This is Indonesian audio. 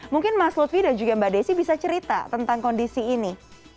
mungkin mas lutfi dan juga mbak desy bisa cerita tentang kondisi ini